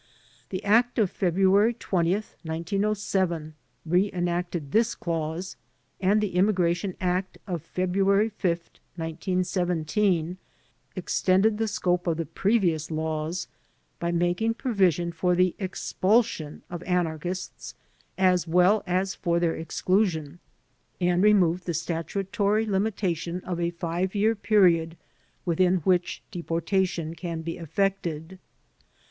The Act of Feberuary 20, 1907, re enacted this clause, and the immigration Act of Feb ruary 5, 1917, extended the scope of the previous laws by making provision for the expulsion of anarchists as well as for their exclusion, and removed the statutory limitation of a five year period within which deportation can be effected.